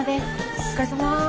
お疲れさまです。